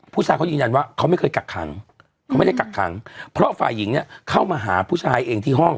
ผู้ชายเขายืนยันว่าเขาไม่เคยกักขังเขาไม่ได้กักขังเพราะฝ่ายหญิงเนี่ยเข้ามาหาผู้ชายเองที่ห้อง